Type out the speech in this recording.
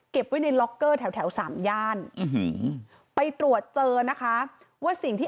เก็บไว้ในแถวแถวสามย่านอืมไปตรวจเจอนะคะว่าสิ่งที่